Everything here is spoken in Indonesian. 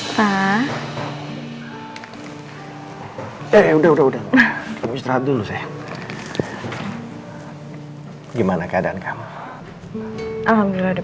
tapi nanti nanti nanti nastinya terserah boot facilitating surat atas informasi heel heel